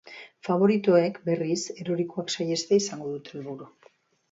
Faboritoek, berriz, erorikoak saihestea izango dute helburu.